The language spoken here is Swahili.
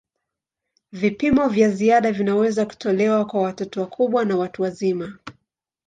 Vipimo vya ziada vinaweza kutolewa kwa watoto wakubwa na watu wazima.